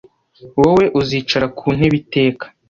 Wowe uzicara ku ntebe iteka